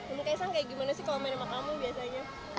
ibu kaisang kayak gimana sih kalau main sama kamu biasanya